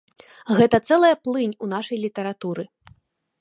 Гэта цэлая плынь у нашай літаратуры.